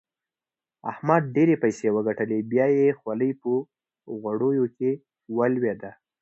احمد ډېرې پيسې وګټلې؛ بيا يې خولۍ په غوړو کې ولوېده.